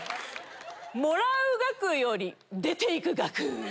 もらう額より出て行く額！